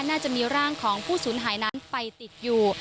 น่าจะมีร่างของผู้สูญหายนั้นไปติดอยู่